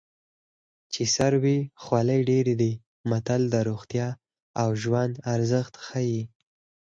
چې سر وي خولۍ ډېرې دي متل د روغتیا او ژوند ارزښت ښيي